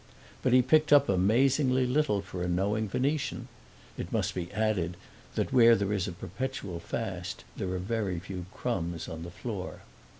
But he picked up amazingly little for a knowing Venetian: it must be added that where there is a perpetual fast there are very few crumbs on the floor.